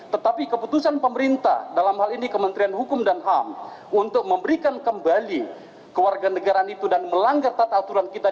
tetapi keputusan pemerintah dalam hal ini kementerian hukum dan ham untuk memberikan kembali kewarganegaraan itu dan melanggar tata aturan kita